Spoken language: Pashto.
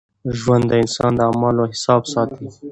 ژوند د انسان د اعمالو حساب ساتي.